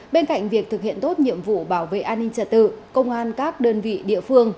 bên cạnh việc thực hiện tốt nhiệm vụ bảo vệ an ninh trả tự công an các đơn vị địa phương